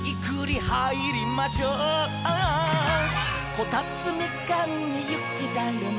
「こたつみかんにゆきだるま」